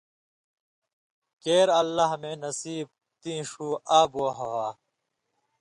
کېر اللہ مے نصیب تیں ݜُو آب و ہوا